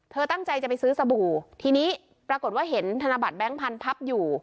ตั้งใจจะไปซื้อสบู่ทีนี้ปรากฏว่าเห็นธนบัตแบงค์พันธับอยู่